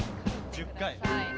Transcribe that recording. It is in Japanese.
１０回。